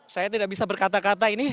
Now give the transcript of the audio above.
saya tidak bisa berkata kata ini